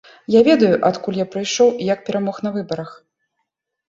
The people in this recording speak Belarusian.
Я ведаю, адкуль я прыйшоў і як перамог на выбарах.